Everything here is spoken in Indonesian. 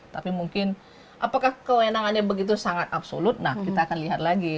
tapi mungkin apakah kewenangannya begitu sangat absolut nah kita akan lihat lagi